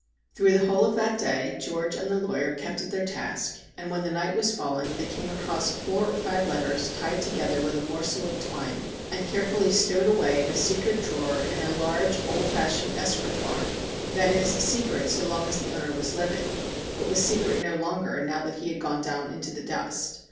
Through the whole of that day George and the lawyer THE BELL OF DOOM 267 kept at their task, and when the night was falling they came across four or five letters tied together with a morsel of twine, and carefully stowed away in a secret drawer in a large, old fashioned escritoire. That is, secret so long as the owner was living, but was secret no longer now that he had gone down into the dust.